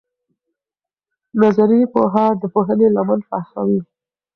نظري پوهه د پوهنې لمن پراخوي.